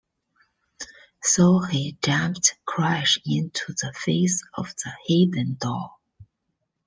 So he jumped crash into the face of the hidden doll.